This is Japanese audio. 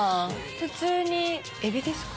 普通にエビですか？